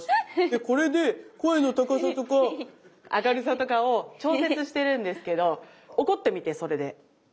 これで声の高さとか明るさとかを調節してるんですけど怒ってみてそれで。